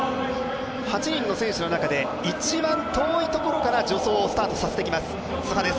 ８人の選手の中で一番遠いところから助走をスタートさせていきます